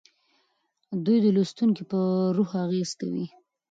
دوی د لوستونکي په روح اغیز کوي.